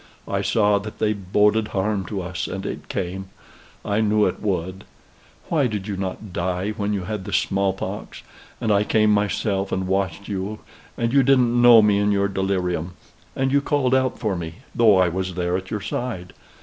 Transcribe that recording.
I saw that they boded harm to us and it came, I knew it would. Why did you not die when you had the small pox and I came myself and watched you, and you didn't know me in your delirium and you called out for me, though I was there at your side?